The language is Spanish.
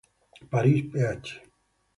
Paris: Ph.